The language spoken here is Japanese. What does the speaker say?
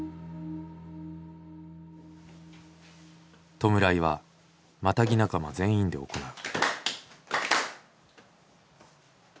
弔いはマタギ仲間全員で行う。